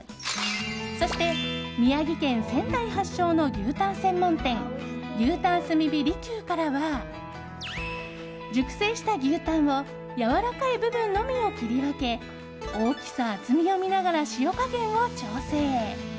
そして、宮城県仙台発祥の牛たん専門店牛たん炭焼利久からは熟成した牛たんをやわらかい部分のみを切り分け大きさ、厚みを見ながら塩加減を調整。